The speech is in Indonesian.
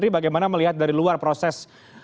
bagaimana melihat dari luar proses